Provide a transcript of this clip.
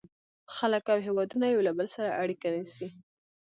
• خلک او هېوادونه یو له بل سره اړیکه نیسي.